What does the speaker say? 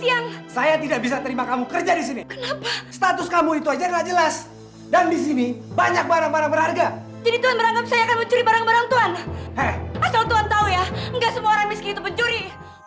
asal tuhan tau ya gak semua orang miskin itu penjuri